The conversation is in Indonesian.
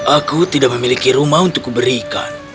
aku tidak memiliki rumah untuk kuberikan